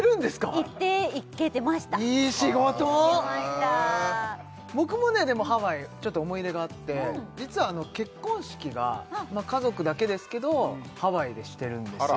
行ってました僕もねでもハワイちょっと思い出があって実は結婚式が家族だけですけどハワイでしてるんですよ